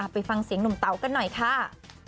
ไปฟังเสียงหนุ่มเต๋ากันหน่อยค่ะ